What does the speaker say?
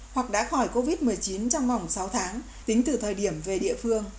hoặc đã khỏi covid một mươi chín trong vòng sáu tháng tính từ thời điểm về địa phương